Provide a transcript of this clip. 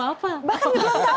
bahkan dia belum tahu